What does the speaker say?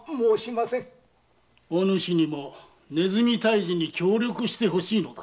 お主にも鼠退治に協力してほしいのだ。